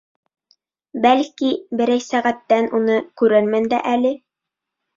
Бәлки, берәй сәғәттән уны күрермен дә әле.